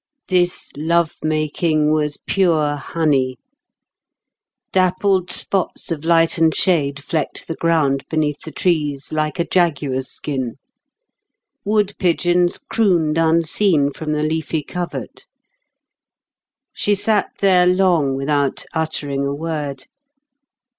This lovemaking was pure honey. Dappled spots of light and shade flecked the ground beneath the trees like a jaguar's skin. Wood pigeons crooned, unseen, from the leafy covert. She sat there long without uttering a word.